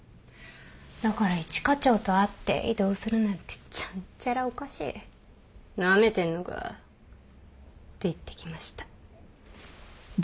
だから一課長と会って「異動するなんてちゃんちゃらおかしい」「なめてんのか」って言ってきました。